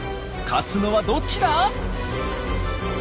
勝つのはどっちだ？